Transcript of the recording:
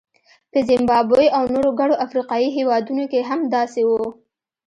په زیمبابوې او نورو ګڼو افریقایي هېوادونو کې هم داسې وو.